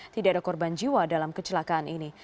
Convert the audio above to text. tidak ada korban jiwa dalam kecelakaan ini